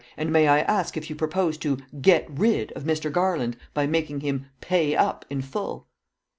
"And may I ask if you propose to 'get rid' of Mr. Garland by making him 'pay up' in full?"